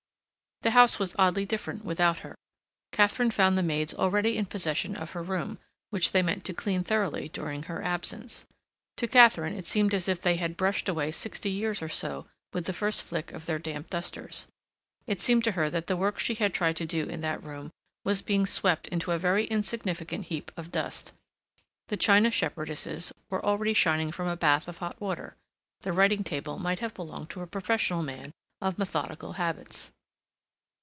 The house was oddly different without her. Katharine found the maids already in possession of her room, which they meant to clean thoroughly during her absence. To Katharine it seemed as if they had brushed away sixty years or so with the first flick of their damp dusters. It seemed to her that the work she had tried to do in that room was being swept into a very insignificant heap of dust. The china shepherdesses were already shining from a bath of hot water. The writing table might have belonged to a professional man of methodical habits.